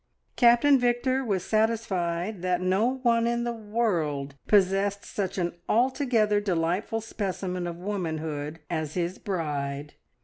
Captain Victor was satisfied that no one in the world possessed such an altogether delightful specimen of womanhood as his "bride."